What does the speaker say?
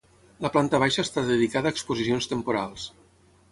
La planta baixa està dedicada a exposicions temporals.